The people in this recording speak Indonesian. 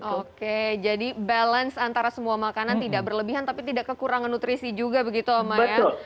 oke jadi balance antara semua makanan tidak berlebihan tapi tidak kekurangan nutrisi juga begitu oma ya